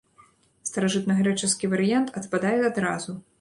Старажытнагрэчаскі варыянт адпадае адразу.